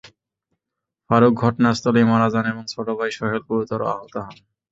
ফারুক ঘটনাস্থলেই মারা যান এবং ছোট ভাই সোহেল গুরুতর আহত হন।